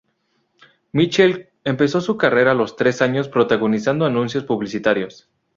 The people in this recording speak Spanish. Michelle empezó su carrera a los tres años protagonizando anuncios publicitarios.